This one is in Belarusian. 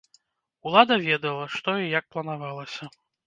Улада ведала, што і як планавалася.